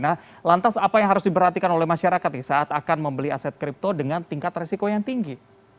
nah lantas apa yang harus diperhatikan oleh masyarakat nih saat akan membeli aset kripto dengan tingkat resiko yang tinggi